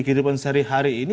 kehidupan sehari hari ini